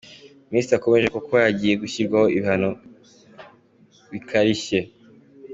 Minisitiri yakomoje ku kuba hagiye gushyirwaho ibihano bikarishye.